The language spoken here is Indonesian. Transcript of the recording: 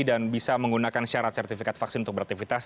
dan bisa menggunakan syarat sertifikat vaksin untuk beraktivitas